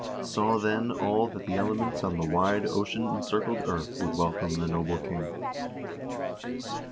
" Saw, then, all that the elements on the wide ocean encircled earth would welcome the noble king."